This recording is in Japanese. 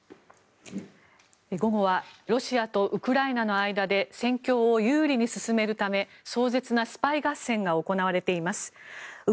午後はロシアとウクライナの間で戦況を有利に進めるため壮絶なスパイ合戦が行われています。